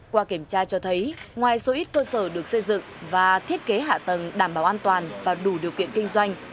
qua kiểm tra cho thấy ngoài số ít cơ sở được xây dựng và thiết kế hạ tầng đảm bảo an toàn và đủ điều kiện kinh doanh